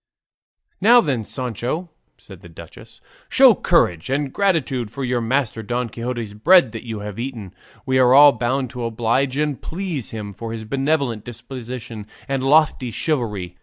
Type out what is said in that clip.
"Now then, Sancho!" said the duchess, "show courage, and gratitude for your master Don Quixote's bread that you have eaten; we are all bound to oblige and please him for his benevolent disposition and lofty chivalry.